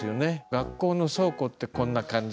学校の倉庫ってこんな感じ。